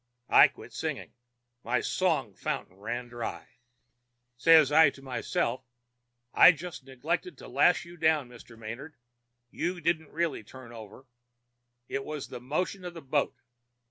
I quit singing. My song fountain ran dry. Says I to myself: 'I just neglected to lash you down, Mr. Manard; you didn't really turn over. It was the motion of the boat.'